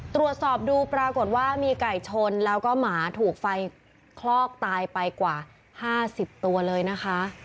ตรวจสอบดูปรากฏว่ามีไก่ชนแล้วก็หมาถูกไฟคลอกตายไปกว่า๕๐ตัวเลยนะคะ